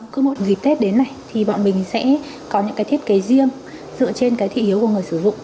cứ một dịp tết đến này thì bọn mình sẽ có những thiết kế riêng dựa trên thị hiếu của người sử dụng